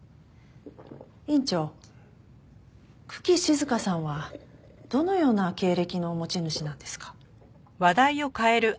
院長九鬼静さんはどのような経歴の持ち主なんですか？